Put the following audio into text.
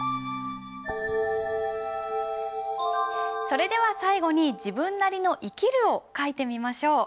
それでは最後に自分なりの「生きる」を書いてみましょう。